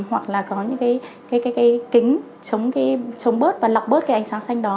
hoặc là có những cái kính chống bớt và lọc bớt cái ánh sáng xanh đó